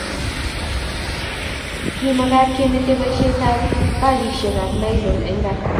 Kimakat kemete baisiet ab bagisiek abnailon eng kaa.